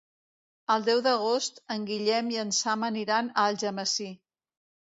El deu d'agost en Guillem i en Sam aniran a Algemesí.